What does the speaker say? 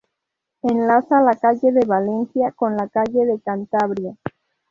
Enlaza la calle de Valencia con la calle de Cantabria.